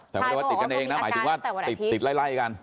แต่ไม่ได้ว่าติดกันเองนะหมายถึงว่าติดไล่กัน